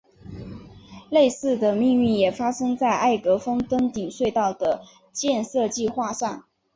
类似的命运也发生在艾格峰登顶隧道的建设计画上。